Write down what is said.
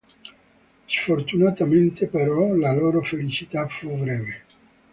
Sfortunatamente, però, la loro felicità fu breve.